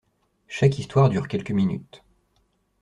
Chaque histoire dure quelques minutes.